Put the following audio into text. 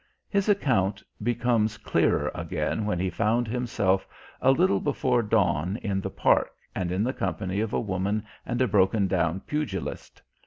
His account becomes clearer again when he found himself a little before dawn in the park and in the company of a woman and a broken down pugilist.